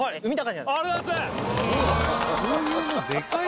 ありがとうございます！